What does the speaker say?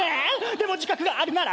「でも自覚があるなら」